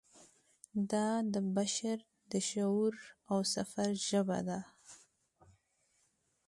دا د بشر د شعور او سفر ژبه ده.